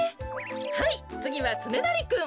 はいつぎはつねなりくん。